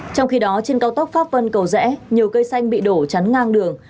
trong khi đó trên cao tốc pháp vân cầu rẽ nhiều cây xanh bị đổ chắn ngang đường